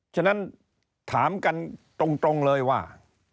ฉะนั้นถามกันตรงเลยว่า